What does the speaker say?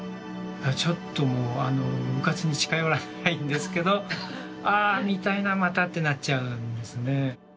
だからちょっともううかつに近寄らないんですけど「ああ見たいなまた」ってなっちゃうんですね。